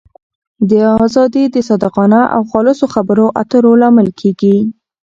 دا آزادي د صادقانه او خلاصو خبرو اترو لامل کېږي.